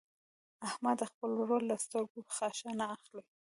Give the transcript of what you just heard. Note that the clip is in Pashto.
احمده د خپل ورور له سترګو خاشه نه اخلي.